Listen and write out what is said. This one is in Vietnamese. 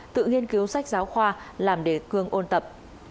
tự nghiên cứu sách giáo khoa làm đề cương ôn tập